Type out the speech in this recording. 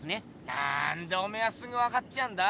なんでおめえはすぐ分かっちゃうんだ？